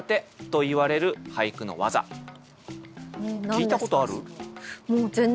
聞いたことある？